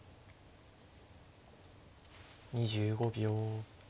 ２５秒。